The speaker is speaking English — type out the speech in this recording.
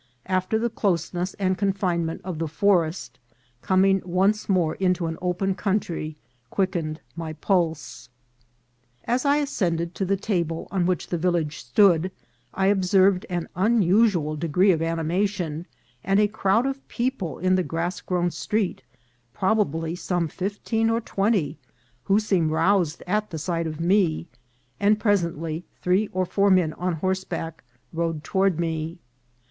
After the closeness and confine ment of the forest, coming once more into an open country quickened every pulse. As I ascended to the table on which the village stood, I observed an unusual degree of animation, and a crowd of people in the grass grown street, probably some fif teen or twenty, who seemed roused at the sight of me, and presently three or four men on horseback rode to ward me.